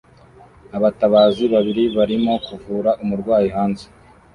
Abatabazi babiri barimo kuvura umurwayi hanze